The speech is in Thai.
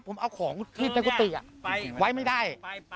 ผมเอาของที่ในกุฏิไว้ไม่ได้